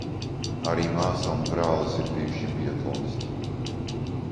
Arī māsa un brālis ir bijuši biatlonisti.